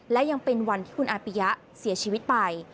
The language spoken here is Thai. และยังเป็นวันที่คุณอาปิยะเสียชีวิตไป